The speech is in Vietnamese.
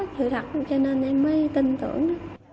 thật thật cho nên em mới tin tưởng